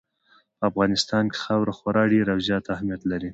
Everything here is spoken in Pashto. په افغانستان کې خاوره خورا ډېر او زیات اهمیت لري.